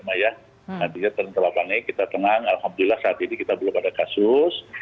nantinya jangan terlalu panik kita tenang alhamdulillah saat ini kita belum ada kasus